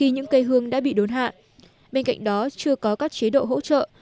những cây hương đã bị đốn hạ bên cạnh đó chưa có các chế độ hỗ trợ